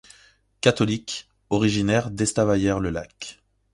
Catholique, originaire d’Estavayer-le-Lac.